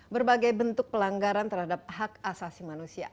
berbagai bentuk pelanggaran terhadap hak asasi manusia